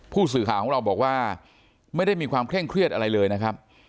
ผู้สื่อข่าวของเราบอกว่าไม่ได้มีความเคร่งเครียดอะไรเลยนะครับ